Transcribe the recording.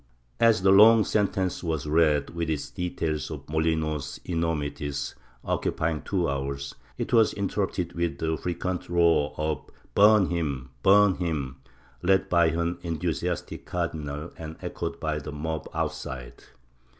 As the long sentence was read, with its details of Molinos's enormities, occupying two hours, it was interrupted with the frequent roar of Burn him! Burn him! led by an enthusiastic cardinal and echoed by the mob outside.